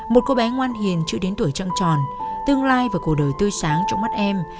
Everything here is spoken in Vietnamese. một cô bé ngoan hiền chưa đến tuổi trăng tròn tương lai và cuộc đời tươi sáng trong mắt em